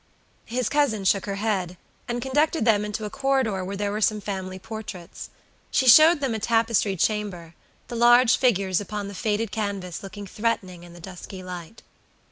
His cousin shook her head, and conducted them into a corridor where there were some family portraits. She showed them a tapestried chamber, the large figures upon the faded canvas looking threatening in the dusky light.